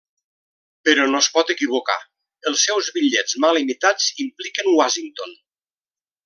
Però no es pot equivocar, els seus bitllets mal imitats impliquen Washington!